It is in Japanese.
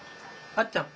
あっちゃん。